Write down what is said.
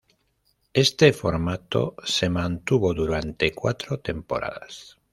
Este formato se mantuvo durante cuatro temporadas.